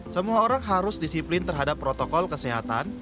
semua orang harus disiplin terhadap protokol kesehatan